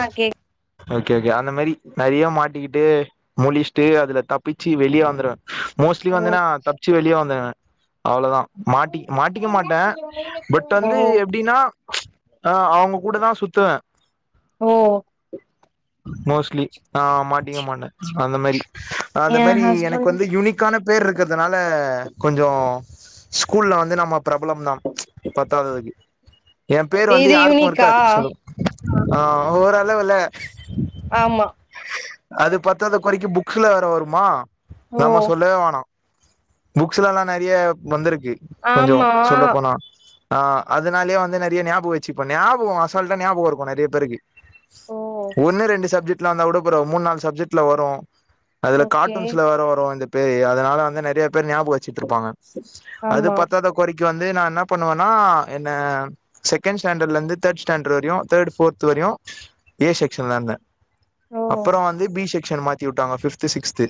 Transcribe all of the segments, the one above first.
ஆஹ் K okay okay அந்த மாரி நறைய மாட்டிக்கிட்டு முழிச்ட்டு அதுல தப்பிச்சி வெளிய வந்துருவேன் மோஸ்ட்லி ஓ வந்தேன்னா தப்ச்சி வெளிய [unintelligible] அவ்ளோதான் மாட்டி மாட்டிக்க மாட்டேன் பட் ஓ வந்து எப்படின்னா ஆ அவுங்க கூடதான் சுத்துவேன் ஓ மோஸ்ட்லி ஆஹ் மாட்டிக்க மாட்டேன் அந்த மாரி அந்த எ மாரி எனக்கு ஹஸ்பண்ட் வந்து யுனிக்கான பேர் இருக்கிறதுனால கொஞ்சோ ஸ்கூல்ல வந்து நம்ம பிரபலம் தான் பத்தாததுக்கு என் பேரு வந்து இது யாருக்கும் யூனிக்கா இருக்காது சொல்லு ஆஹ் [unintelligible] ஆமா அது பத்தாத குறைக்கும் புக்குல வேற வருமா ஓ நம்ம சொல்லவே வேனா புக்ஸ்லல்லாம் நறைய வந்திருக்கு க்கு கொஞ்சோ ஆமா சொல்ல போனா ஆஹ அதனாலயே வந்து நிறைய ஞாபம் வச்சுப்போம் ஞாபகம் அசல்ட்டா ஞாபகம் இருக்கும் நிறைய பேருக்கு ஓ ஒன்னும் ரெண்டு சப்ஜெக் வந்த கூடபராவுல மூணு நாலு சப்ஜெக்ட்ல வரும் அதுல ஓகே கார்ட்டூன்ஸ்ல வேற வரும் அ அதனால வந்து நிறைய பேர் ஞாபகம் வச்சுட்டு இருப்பாங்க அது ஆமா பத்தாதா குறைக்கி வந்து நான் என்ன பண்ணுவேன்ன என்ன சேகேன் சண்டல்லே இருந்து தேடுஸ் சண்டல் வரையும் தேடு பேர்து வரையும் ஏ செக்ஷன்ல இருந்தே ஓ அப்புறம் வந்து பி சேக்ஷ்ஸ் மாத்தி விட்டாங்க பிப்து சிக்ஸ்து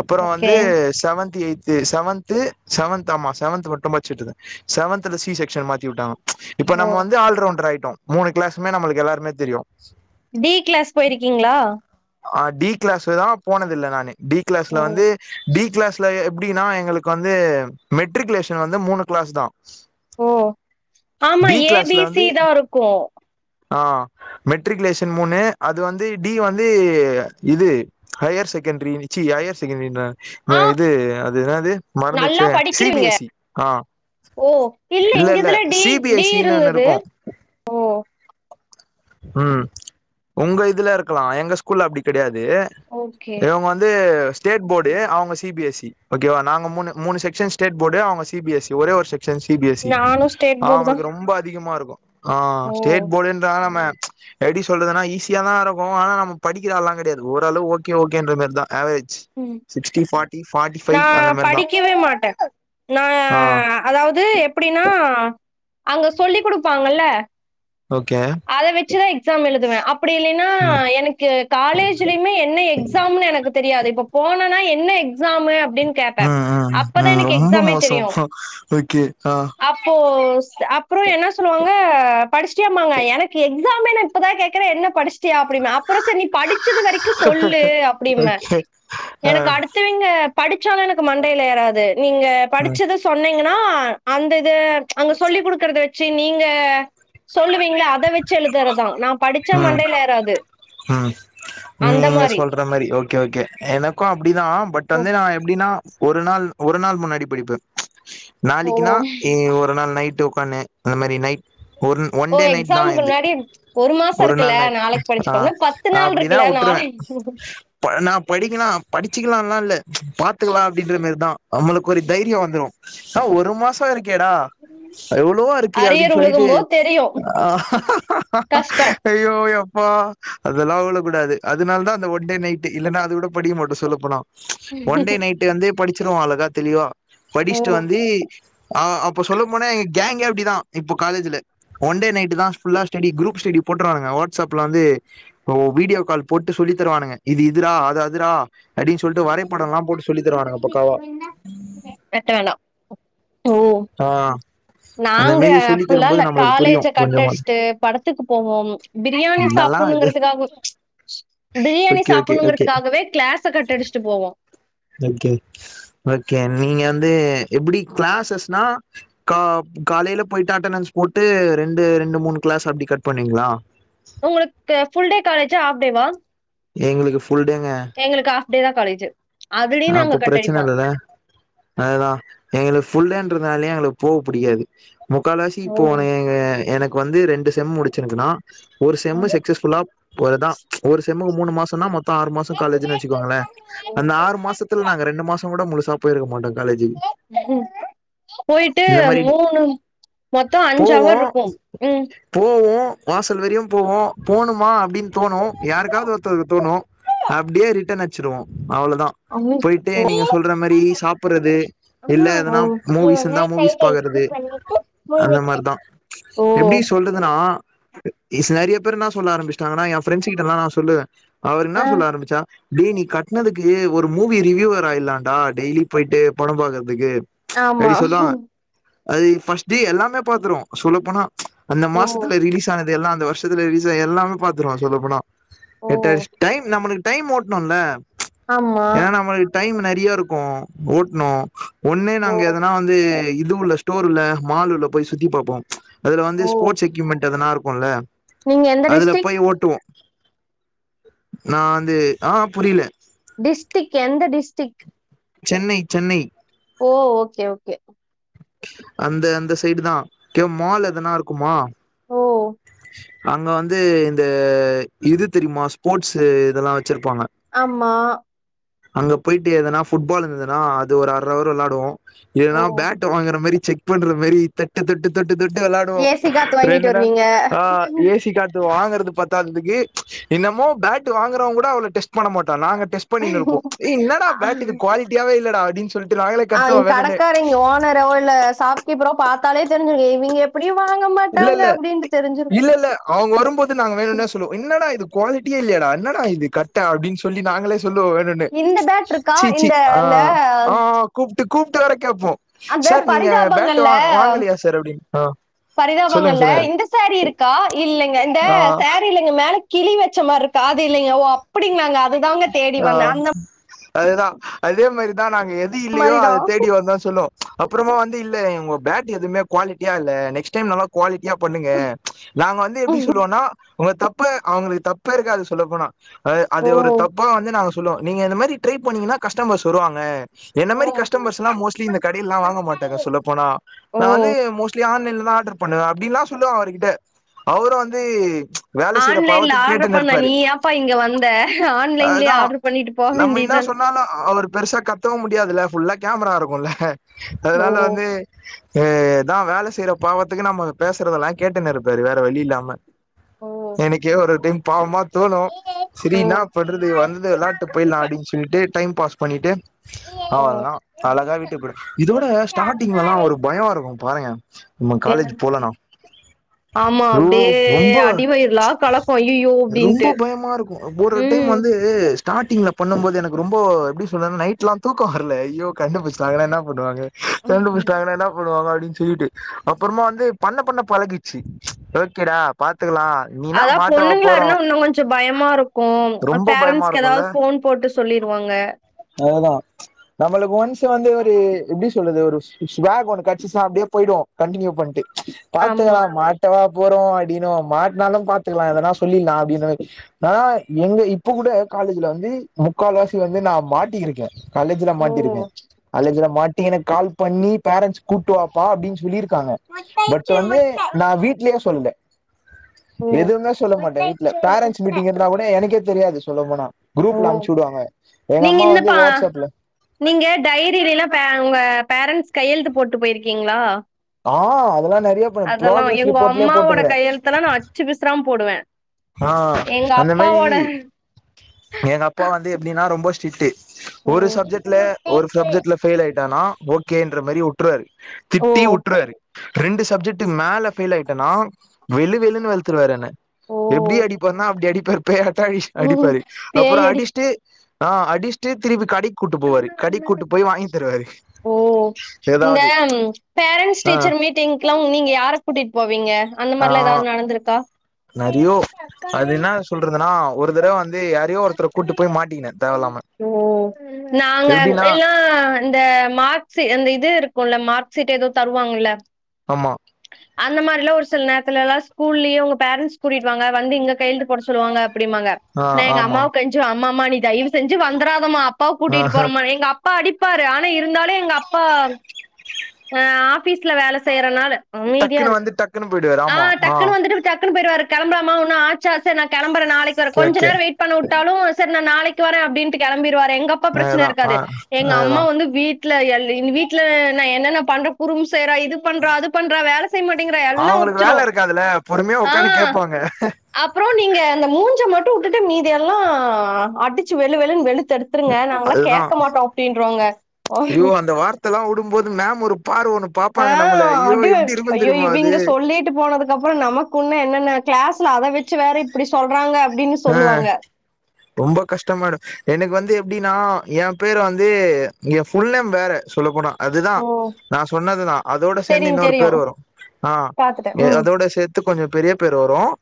அப்புறம் ஓகே வந்து செவன்த் எயித் செவன்த் செவன்த் ஆமா செவன்த் மட்டும்ச்சு செவன்த்ல சி செக்ஷன் மாத்தி விட்டாங்க இப்ப ஓ நம்ம வந்து ஆல்ரவுண்டர் மூணு கிளாஸ்மே நம்மளுக்கு எல்லாருமே தெரியும் டி கிளாஸ் போயிருக்கீங்களா ஆஹ டி கிளாஸ் தான் போனதில்லை நானு டி கிளாஸ்ல ஓ வந்து டி கிளாஸ்ல அப்புடின்னா எங்களுக்கு வந்து மெட்ரிகுலேஷன் வந்து மூணு கிளாஸ் தான் ஓ ஆமா டி கிளாஸ்ல ஏபிசி வந்து தான் இருக்கும் ஆ மெடரிக்லேஷன் மூணு அது வந்து டி வந்து இது ஹையர் செகண்டரி சிச் ஹையர் செகண்டரி ஆ இது அது என்னது நல்லா மறந்துச்சு சிபி படிக்கிறீங்க எஸ் ஆ ஓ இல்ல எங்க இல்ல இதுல டி டி சிபிஎஸ்ன்னு ஒன்னு இருந்தது இருக்கும் ஓ உஹம் உங்க இதுல இருக்கலாம் எங்க ஸ்கூல் அப்படி கிடையாது ஓகே இவங்க வந்து ஸேட் போர்டு அவங்க சிபிஎஸ்சி ஓகேவா தங்க மூன்னு மூன்னு செக்ன் ஸ்டேட் போர்டு அவங்க சிஸ் ஒரே ஒரு செக்கன் சி பிஎஸ் ச நானு ஸ்டேட் போர்டு தா அவங்களுக்கு ரொம்ப அதிகமா இருக்கும் ஆ ஆஹ் ஓ ஸ்டேட் போடு இருந்த நால எப்படி சொல்றதுனா ஈஸியா தான் இருக்கும் ஆனா நம்ம படிக்கிறால்லாம் கிடையாது ஓரளவு ஓகே ஓகே இன்ற மாரிதான் உம் ஃபைவ் அந்த நான் மாரி தா படிக்கவே மாட்டேன் நான் ஆ அதாவது எப்டிடனா அங்க சொல்லி் கொடுப்பாங்கல ஓகே அத வச்சுதான் எக்ஸாம் எழுதுவேன் அப்படி இல்லைன்னா ம் எனக்கு காலேஜ்லயுமே என்ன எக்ஸாம்னு எனக்கு தெரியாது இப்ப போனனா என்ன எக்ஸாம் எப்படினு கேடாடாரு ம் ம் அப்பதான் ம் எனக்கு ரொம்ப எக்ஸாமே மோசோ தெரியும் ஓகே ஆ அப்போ அப்புறம் என்ன சொல்லுவாங்க அ படிச்ட்டேமாங்க எனக்கு எக்ஸாமே நா இப்பதா கேக்குற என்ன படிச் சியா அப்டினா அப்பற சரி நீ படிச்சது வரைக்கு சொல்லு அப்டிம்பே ஓகே ஆ எனக்கு அடுத்தவிங்க படிச்சாலு எனக்கு மண்டைல ஏறாது நீங்க ம் படிச்சத சொன்னி னொனா அந்த ந்த அங்க சொல்லி குடுக்கறத வச் சே நீங்க சொல்லுவீங்ள அ த வச்சு எழுதுறதா நா படுச்சா ம் மண்டைல ஏறாது ம் அந்த நீங்க மாரி. சொல்ற மாரி ஓகே ஓகே எனக்கு அப்டிதா பட் ஓ வந்து நா எப்டின் னா ஒரு நாள் ஒரு நாள் முன்னாடி படிப்பே ஓ நாளைக்குனா ஒரு நாள் நைட்டு ஒ பண்ணு அந்த மாரி நைட் ஒன் ஒன் ஓ டே நைட் தா எக்ஸாம்க்கு இது முன்னாடி ஒரு மாச இருக்குல்ல நாள் நைட் நாளைக் படுச்சு ஆ அப்டிதா உட்ருவே நா படிக்கனா படிச்சிக்லால்லா இல்ல பாத்துக்கலா அப்டின்ற மேரிதா நம்மளுக்கு ஒரு தைரியொ வந்துரு ஆ ஒரு மாச இருக் கேடா எவ்ளவோ இருக்கு அப்டின் அரியர் சொல்லிட்டு விழுகும்போது தெரியும். கஷ்டம். ஐயோ யோ பா அதல்லா உழக் கூடாது அதனால் தா அந்த ஒன் டே நைட்டு இல்லன்னா அது கூட படிக்க மாட்டோ சொல்லப்போனா ஒன்டே நைட்டு வந்து படிச்சிருவோ அழகா தெளிவா ஓ! படிச்ட்டு வந்து ஆ அப்ப சொல்லும் போனா எங்க கேங்கெ அ ப்டிதா இப்பொ காலேஜுல ஒன்டே நைட்டு தா ஃபுல்லா ஸ்டடி குரூப் ஸ்டடி போட்ருவானுங்க வ ஸப்ல வந்து வீடியோ கால் போட்டு சொல்லி தருவானுங்க இது இதுரா அது அதுரா பக்காவா. [unintelligible] ஓ ஆ அந்த நாங்க மாரி சொல்லி அப்புல்லா இல்ல தரும்போது நம்மளுக்கு காலேஜ புரியும் கொஞ்சமாது. கட்டடுச்ட்டு படத்துக்கு போவோ பிரியாணி இதெல்லாம் இது சாப்புன்ணுங்கிறதுக்காக பிரியாணி ஓகே, ஓகே, ஓகே, சாப்புன்ணுங்கிறதுக்காகவே க்ளாஸ கட்டடுச் ட்டு போவோ ஓகே ஓகே நீங்க வந்து எப்புடி கிளாஸஸ்னா கா காலைல போயிட்டு அட்டனன்ஸ் போட்டு ரெண்டு ரெண்டு மூணு கிளாஸ் அப்டி கட் பண்ணீங்ளா உங்களுக்கு ஃபுல் டே காலேஜ் ஜா ஹாஃப் டேவா எங்களுக்கு ஃபுல் எங்களுக்கு ஹாஃப் டே தா காலேஜு ஆ அதுலயும் நாங்க அப்ப கட் பிரச்சன அடிப்போம். இல்லல்ல அததா எங்களுக்கு ஃபுல்டேன் இருந்தாலயே அவங்களுக்கு போக புடிக்காது முக்கால் ஓ! வந்து ரெண்டு செம் முடிச்சிருக்குன்னா ஒரு செம் ம். சக்சஸ்ஃபுல்லா ஒருதான் ஒரு செம்முக்கு மூணு மாசம்னா மொத்தம் ஆறு மாசம் காலேஜ்ன்னு வச்சுக்காங்களேன் அந்த ஆறு மாசம் நாங்க ரெண்டு மாசம் கூட முழுசாப்போயிருக்க மாட்டம் ம் போயிட்டு இந்த மாரி மூணு மொத்தம் அஞ்சு போவோ அவர் இருக்கும் ம் போவோம் வாசல் வரியும் போவோம் போணுமா அப்டின்னு தோணும் யாருக்காவது ஒருத்ததுக்கு தோணும் அப்டியே ரிட்டன் அடிச்சிருவோம் அவ்ளோதா அம்மி. போயிட்டே நீங்க சொல்ற மாரி சாப்புறது அம்மா இல்ல ஓ எனா நீ மூவிஸ் ஒரு நாள் இருந்தான் கையில மூவிஸ் இப்டி பாக்குறது பண்ணிட்டு மூடி அந்த வச்ச மாரிதான் ஓ எப்படி சொல்றதுன்னா நறைய பேர்னாம் சொல்ல ஆரம்பிச்சிட்டாங்கன்னா பிரெண்ஸ் கிட்டல்லாம் நான் சொல்லுவன் அவரு என்ன ஆ சொல்ல ஆரம்பிச்சா டே நீ கட்டனதுக்கு ஒரு மூவி ரிவியூவர் ஆயிலாண்டா டெய்லி போயிட்டு படம் பாக்கறதுக்கு ஆமா அது ஃபர்ஸ்ட் எல்லாமே பாத்ருவோம் சொல்லப்போனா அந்த ஓ மாசத்துல ரிலீஸ் ஆனது எல்லாம் அந்த ஷத்துல ரீசன் எல்லாமே பாத்துருவான் சொல்ல போனா ஓ எட்ட டைம் நம்ம டைம் ஓட்ணும்ல ஆமா டைம் நறைய இருக்கும் ஓட்னும் ஒன்னு ஓ நாங்க எதனா வந்து இது உள்ள ஸ்டோர்ல மால்ல போய் சுத்தி பாப்போம் அது வந்து ஓ ஸ்போர்ஸ் எக்யூப்மெண்ட் அதல்லான் இருக்கும் பொல நீங்க எந்த அதுல டிஸ்டிக் போய் ஓட்டுவோம் நான் வந்து ஆஹ் புரில டிஸ்டிக் எந்த டிஸ்டிக் சென்னை சென்னை ஓ ஓகே ஓகே அந்த அந்த சைடு தான் மால் எதனா இருக்குமா ஓ அங்க வந்து இந்த இது தெரியுமா ஸ்போர்ட்ஸ் இதெல்லாம் வச்சிருப்பாங்க ஆம்மா அங்க போயிட்டு எதனா புட்பால் இருந்ததுன்னா அது ஒரு அரை அவர் விளாடுவோம் ஓ ஏன்னா பேட் வாங்கற மாதிரி செக் பண்ற மாரி தொட்டு தொட்டு தொட்டு தொட்டு விளாடுவோம் ஏசி காத்து ரெண்டு வாங்கிட்டு நாள் வருவீங்க ஆஹ் ஏசி காத்து வாங்கற பத்தாதுக்கு இன்னமோ பேட் வாங்குறவங்க கூட அவ்ளோ டெஸ்ட் பண்ண மாட் நாங்க டெஸ்ட் பண்ணிருக்கோம் என்னடா பேட் இது குவாலிட்டியாவே இல்லட அப்டின்னு சொல்லி அஹ் கடக்கார இங்க ஓனர்ரோ உள்ள சாப்கீப்போ பாத்தாலே தெரி்ஞ்சு இவிங்க எப்புடி இல்ல இல்ல இல்ல இல்ல அவங்க வரும்போது நாங்க வேணும்னே சொல்லுவோம் என்னடா இது குவாலிட்டியே இல்லையடா என்னடா இது கட்டன் அப்படின்னு சொல்லி நாங்களே சொல்லுவோ வேனுன்னே இந்த பேட் இருக்கா சீ சீ இந்த இந்த ஆஹ் ஆஹ் கூப்பிட்டு வேற கேப்போம் அந்த சார் நீங்க பேட்டு வா பரிதாபங்கள்ல வாங்கலையா சார் அப்படின்னு பரிதாபங்கள்ல்ல இந்த சேரீ இருக்கா இல்லைங்க இந்த ஆ சேரீ இல்ங்க மேல கிளி வச்ச மாரி இருக்கா அது இல்லீங்க ஓ அப்படி நாங்க அதுதாங்க தேடி வந்தே அந்த அதுதான் அதே மாதிரிதான் நாங் எது இல்லையோ மாரி அத தான். தேடி வந்தன் சொல்லுவோம் அப்புறமா வந்து இல்ல உங்க பேக் எதுவுமே குவாலிட்டியா இல்ல நெக்ஸ்ட் டைம் நல்லா குவாலிட் யா பண்ணுங்க நாங்க வந்து ஓ! எப்படி சொல்லுவோம்னா உங்க தப்பு அவங்களுக்கு தப்பு இருக்காது சொல்ல போனா ஓ! அதா அது வந்து நாங்க சொல்லவோம் நீங்க இந்த மாதிரி ட்ரை பண்ணிங்கன்னா கஸ்டமர்ஸ் வருவாங்க என்ன மாரி கஸ்டமர்ஸ் எல்லாம் மோஸ்லி இந்த கடையெல்லாம் வாங்க மாட்டாங்க சொல்ல போனா ஓ! நானு மோஸ்ட்லி ஆன்லைன்ல ஆர்டர் பண்ணுவேன் அப்படின்ன சொல்லுவன் அவர்கிட்ட அவரும் வந்து வேல செய்யற ஆன்லைன்ல பாவத்துக்கு ஆர்டரு பண்ண நீ யாப்பா இங்க வந்த ஆன்லைன்லயே அதான் ஆர்டர் பண்ணிட்டு போ நம்ம என்ன வேண்டியதான. சொன்னாலும் அவர் பெருசா கத்தவும் முடியாதுல ஃபுல்லா கேமரா இருக்கும்ல்ல ஓ! அதனால வந்து ஏதான் வேலை செய்யற பாவத்துக்கு நம்ம பேசுறதெல்லாம் கேட்டன்ன இருப்பாரு வேற வழி இல்லாம ஓ! எனக்கே ஒரு டைம் பாவமா தோணும் ஓ! சரின்னா வந்து வெளாட்டு போயிலாம் அப்படினு சொல்ட்டு டைம் பாஸ் பண்ணிட்டு ஆ ஓ! அதுதான் அழகா வீட்டுபோய்டுவன் இதோட ஸ்டார்ட்டிங்லலாம் ஒரு பயம் இருக்கும் பாருங்க நம்ம என் காலேஜ் போலனா ஆமா ஐயோ அப்டியே ரொம்ப அடிவயிரலாம் கலக்கும் அயயோ ரொம்ப அப்டின்ட்டு பயமா இருக்கும் ஒரு உம் டைம் வந்து ஸ்டாடிங்லபண்ணும் போது எனக்கு ரொம்ப எப்படி சொல்றது நைட்லாம் தூக்கம் வரல ஐயோ கண்டு புச்சாங்கன்னா என்ன பண்ணுவாங்க கண்டு ம். புஷ்டாங்க என்னா படுவாங்க அப்டின்னு சொல்ட்டு அப்புறமா வந்து பண்ண பண்ண பழகிச்சு ஓகேடா பாத் அதா பொண்ணுங்களா இருந்த இன்னும் கொஞ்சம் பயமா இருக்கும் ரொம்ப பயமா இருக்கும்ல சொல்லிருவாங்க அதுதான் நம்மளுக்கு ஒன்ஸ் வந்து எப்டி சொல்லறது ஒரு விளாக் அப்டியே போய்ட கண்டினியூ பண்ட்டு ஆமா பாத்துக்கலாம் மாட்டவா போறோம் அப்டின்னு மாட்டினாலும் பாத்துக்கலாம் அதனா சொல்லிடலாம் அப்டின்னு நா எங்க இப்ப கூட காலேஜ்ல வந்து முக்கால்வாசி வந்து நான் மாட்டிருக்கேன் காலேஜ்ல ஓ மாட்டிருக்கேன் காலேஜ்ல மாட்டி எனக்கு கால் பண்ணி பேரண்ஸ் கூட்டுவாப்பா அப்டின்னு சொல்லிரு காங்க பட் முட்டைச்சு வந்து முட்ட நா வீட்லே சொல்லல ஓ எதுவுமே சொல்ல மாட்டேன் வீட்ல முட்டைச்சு பேரண்ட்ஸ் முட்ட மீட்டிங் இருந்தா கூட எனக்கே தெரியாது சொல்ல போனா ஓ குரூப்ல அனுப்ச்சு விடுவாங்க எங்க நீங்க அம்மா வந்து என்னப்பா வாட்ஸ்அப்ல நீங்க டைரியில உங்க பேரண்ட்ஸ் கையெழுத்து போட்டு போயிருக்கீங்களா ஆ அதலான் அதெல்லாம் எங்க அம்மாவோட கையெழுத்த எல்லாம் நான் அச்சு பிசுறாம போடுவேன் ஆ அந்த மாரி எங்க அப்பா வந்து எப்டின்னா ரொம்ப ஸ் டீரிட் ஓ. ஒரு இக்கு சப்ஜெட்ல ஒரு முட்டைச்சு சப்ஜெட்ல பெஃயில் ஆயிட்டானா ஓகேன்ற மாரி உற்றுவாரு ஓ திட்டிவுட்ருவாரு ரெண்டு சப்ஜெட்டு மேலப் பெயில் ஆயிட்டேனா வெளு வெளுனு வெளுத்துருவாரு என்ன எப்டி அடிபார்னா அப்டி அடி போய் [unintelligible] அடி ஓ அடிப்பாரு அப்புறம் பேயடி அடிச்சுட்டு ஆஹ் அடிஷ்டு திருப்பி கடைக் அம்மா அம்மா ஓ இந்த ஏதாவது பேரன்ஸ் ஆ டீச்சர் மீட்டிங்குலாம் நீங்க யார கூட்டிட் போவீங்க அந்த மாரிலாம் ஏதாவது நடந்திருக்கா நரியோ அது இன்ன சொல்றதுன்னா ஒரு தடவ வந்து யாரையோ ஒருத்தர கூட்டு போய் மாட்டிகின தேவ இல்லாம ஓ நாங்க எல்லாம் அந்த மார்க்சி அந்த இது இருக்குல மார்க் சீட் ஏதோ தருவாங்கல்ல ஆமா அந்த மாரிலாம் ஒரு சில நேரத்துலல்லா ஸ்கூல்லியே உங்க பேரண்ட்ஸ் கூட்டிட்டு வாங்க வந்து இங்க கையெழுத்து போட சொல்லுவாங்க அப்டிம்மாங்க ஆ நா எங்க ஆமா அம்மாவ கெஞ்சுவேன் அம்மா மா நீ தயவு செஞ்சு வந்துராதமா அப் ப்பாவ ஆ கூட்டிட்டு போறமா எங்க அப்பா அடி ப்பாரு ஆனா இருந்தாலும் எங்கப்பா ஹ ஆஃபீஸ்ல வேல செய்றனால அமைதியா டக்குன்னு இருக்கு வந்து டக்குன்னு போயிடுவாரு ஆமா ஆஹ் ஆ டக்குன்னு வந்துட்டு டக்குனு போய்டுவாரு கெளம்பலாமா ஒன்னு ஆச்சா சரி நான் கெளம் ம்பர நாளைக்கு வர ஓகே ஓகே கொஞ்சநேரோ வெயிட் பண்ண வுட்டாலும் செர் நா நாளைக்கு வரேன் அப்டின்டு கெளம்பிவாரு எங்க அப்பா பிரச்சன அதேதா ஆ இருக்காது எங்க அதேதா அம்மா வந்து வீட் ட்ல எல் எங்க வீட்ல நா என்னென்ன பண்ற குறும்பு செய்யறா இது பண்றா அது பண்றா வேல செய்ய மாட்டேங்கிறா, எல்லாம் அவுங்களுக்கு ஒப்பிச்சுரும். வேல இருக்காதுல பொறுமையா ஆ ஒக்காந்து கேப்பாங்க அப்புறம் நீங்க அந்த மூஞ்ச மட்டும் வுட்டுட்டு மீதியெல்லாம் அடிச்சு வெளு வெளு வெளுத் தெடுத்துருங்க நாங்களாம் அதுதா கேக்க மாட்டோம் அப்டின்ரூவாங்க ஓ ஐயோ அந்த வார்த்தல்லா வுடும்போது மேம் ஒரு பார்வ ஒன்னு பாப்பாங்க நம்மள அய்யோ எப்டி இருக்கும் தெரியுமா அது கப்புறோம் நமக்குன்ன என்னன்ன கிளாஸ்ல அத வச்சு வேற இப்டி சொல்றாங்க அப்டின்னு ஆஹ் சொல்லுவாங்க. ரொம்ப கஷ்டமா இருக் எனக்கு வந்து து எப்டின்னா ஏ பேர் வந்து ஃபுல்நேம் வேற சொல்ல போனா அதுதா ஓ! நா சொன்னதுதா அதோட சேர்ந்து தெரியும், இன்னொரு பேர் தெரியும். வரும் ஆ பாத்துட்டேன். ய ம், அதோட சேர்த்து கொஞ்சம் பெரிய பேர் வரும்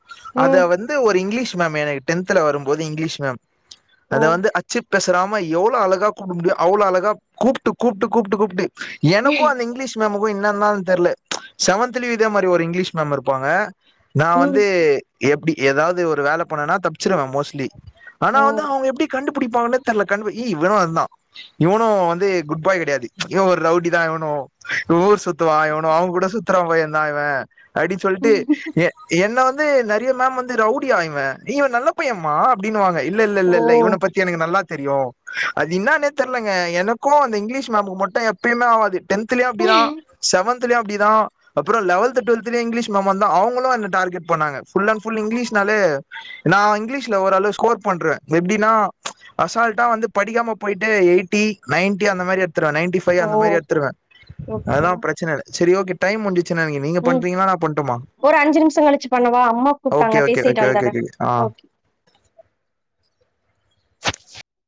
ம், அத வந்து ஒரு இங்கிலீஷ் மேம் எனக்கு டென்த்ல வரும்போது இங்கிலீஷ் மேம் ஓ! அத வந்து அச்சு பேசாஆமா எவ்ளோ அழகா கூப்புடுது முடியும் அவ்வளோ அழகா கூப்பிட்டு கூப்பிட்டு கூப்பிட்டு எனக்கும் அந்த இங்கிலீஷ் நமக்கு என்னனா தெரியல செவன்த் லீயும் இதே மாரி ஒரு இங்கிலீஷ் மேம் இருப்பாங்க நான் ம், வந்து எப்புடி ஏதாவது ஒரு வேல போனா தப்பிச்சிடுவேன் மோஸ்லி ஆனா ஓ! வந்து அவுங்க எப்படி கண்டு எப்டி போனானு தெரியல கண் முன்னே இவனும் இருந்தான்இவனும் வந்து குட் பாய் கிடையாது இவன்னும் ஒரு ரவுடிதான் இவனும் ஊர் சுத்துவா இவனும் அவங்க கூட சுத்தர பையன் தான் இவன் அப்டினு சொல்லிட்டு என்ன வந்து வந்து நெறைய மேம் வந்து ரவுடியா இவன் நீ நல்ல பையன்ம்மா அப்படின்னு வாங்க இல்ல இல்ல ஓ! இல்ல இவனை பத்தி நல்லா எனக்கு தெரியும் தெரியும் அது என்னானே தெரிலங்க எனக்கும் அந்த இங்கிலீஷ் மேம்கும் மட்டும் எப்யுமே ஆகாது டென்த்துலையும் அப்டிதா செவன்த் எல்லாமே அப்டித்தா அப்புறம் லெவன்த் டூவல்த்து இங்கிலீஷ் எல்லாம் அவங்களும் டார்கெட் பண்ணாங்க புல் அண் புல் இங்கிலீனாலே நா இங்கிலீஷ்ல ஓரளவு நா ஸ்கோர் பண்றே எப்டின்னா அசால்டா படிக்காம போயிட்டு போயிட்டு எயிட்டி நையண்டி அந்த மாரி நைன்டி ஃபைவ் ஓ! அந்த மாதிரி எடுத்துடுவே அதுதா பிரச்சன சேரி ஓகே டைம் முஞ்சி உம் ஒரு அஞ்சு நிமிஷம் கழிச்சு பண்ணவா அம்மா ஓகே கூப்பிட்டாங்க ஓகே பேசிட்டு ஓகே வந்த ஓகே ஓகே ஆஹ்